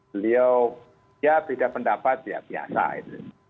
beliau ya beda pendapat ya biasa itu